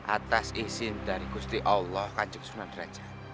atas izin dari gusti allah kajik sunan raja